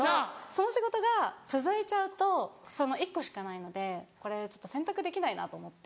その仕事が続いちゃうとその１個しかないのでこれちょっと洗濯できないなと思って。